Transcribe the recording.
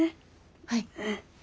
はい。